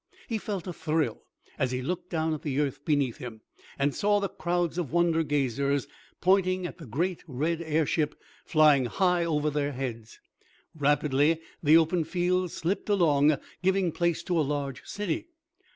He felt a thrill as he looked down at the earth beneath him, and saw the crowds of wonder gazers pointing at the great, red airship flying high over their heads. Rapidly the open fields slipped along, giving place to a large city.